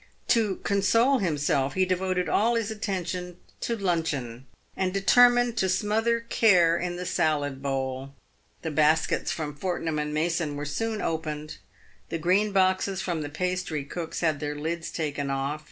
To console himself, he devoted all his atten tion to luncheon, and determined to smother care in the salad bowl. The baskets from Portnum and Mason were soon opened. The green boxes from the pastrycooks had their lids taken off.